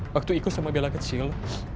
waktu igo sama bella kecil